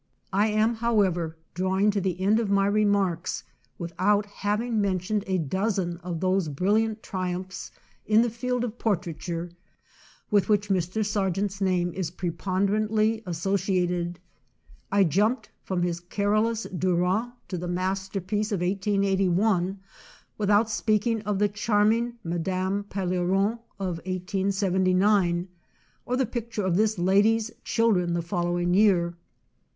I am, however, drawing to the end of my remarks without having mentioned a dozen of those brill iant triumphs in the field of portraiture with which Mr. Sargent's name is pre ponderantly associated. I jumped from his Carolus Duran to the masterpiece of 1881 without speaking of the charming "Madame Railleron" of 1879, or the pic ture of this lady's children the following year.